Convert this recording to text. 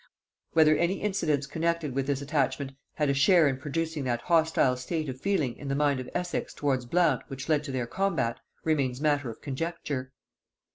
Whether any incidents connected with this attachment had a share in producing that hostile state of feeling in the mind of Essex towards Blount which led to their combat, remains matter of conjecture.